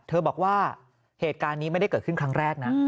บอกว่าเหตุการณ์นี้ไม่ได้เกิดขึ้นครั้งแรกนะ